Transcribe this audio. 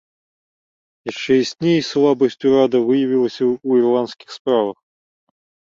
Яшчэ ясней слабасць урада выявілася ў ірландскіх справах.